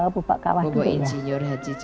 bubak kawah gitu ya